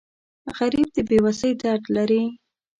غریب د بې وسۍ درد لري